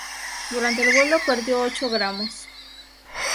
Durante el vuelo perdió ocho gramos.